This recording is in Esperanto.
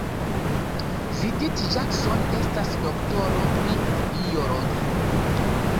Judith Jackson estas doktoro pri biologio.